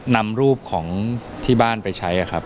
นำรูปของที่บ้านไปใช้ครับ